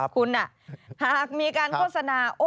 ยอมรับว่าการตรวจสอบเพียงเลขอยไม่สามารถทราบได้ว่าเป็นผลิตภัณฑ์ปลอม